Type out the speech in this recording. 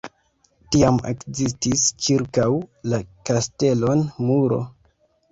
Tiam ekzistis ĉirkaŭ la kastelon muro.